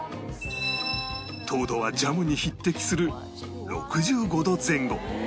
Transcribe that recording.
糖度はジャムに匹敵する６５度前後